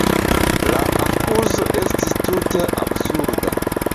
La akuzo estis tute absurda.